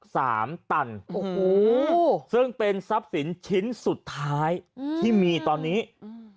สามตันโอ้โหซึ่งเป็นทรัพย์สินชิ้นสุดท้ายอืมที่มีตอนนี้อืม